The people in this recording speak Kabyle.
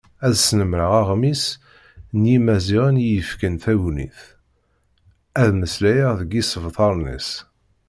Ad snemreɣ Aɣmis n Yimaziɣen iyi-yefkan tagnit, ad d-mmeslayeɣ deg yisebtaren-is.